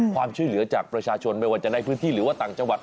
ความช่วยเหลือจากประชาชนไม่ว่าจะในพื้นที่หรือว่าต่างจังหวัด